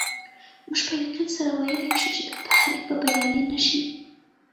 موږ په یقین سره ویلای شو چې دا تحریک به بریالی نه شي.